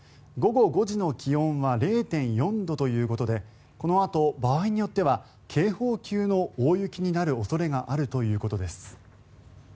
午後５時の気温は０．４度ということでこのあと、場合によっては警報級の大雪になる恐れがあるということです。